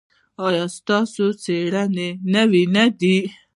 ایا ستاسو څیړنې نوې نه دي؟